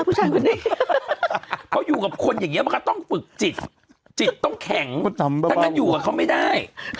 ผู้ชายคนนี้เขาอยู่กับคนอย่างนี้มันก็ต้องฝึกจิตจิตต้องแข็งถ้างั้นอยู่กับเขาไม่ได้